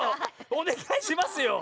おねがいしますよ！